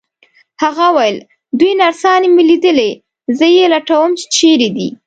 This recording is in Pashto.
هغه وویل: دوې نرسانې مي لیدلي، زه یې لټوم چي چیري دي.